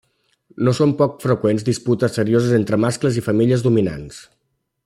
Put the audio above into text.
No són poc freqüents disputes serioses entre mascles i femelles dominants.